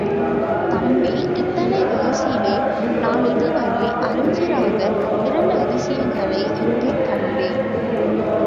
தம்பி இத்தனை வயசிலே நான் இதுவரை அறிஞ்சிராத இரண்டு அதிசயங்களை இங்கே கண்டேன்.